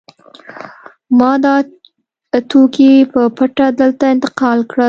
ما دا توکي په پټه دلته انتقال کړل